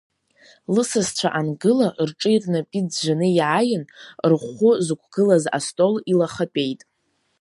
Лысасцәа ангыла, рҿи рнапи ӡәӡәаны иааин, рхәы зықәгылаз астол илахатәеит.